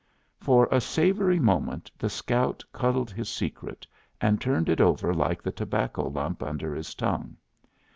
For a savory moment the scout cuddled his secret, and turned it over like the tobacco lump under his tongue.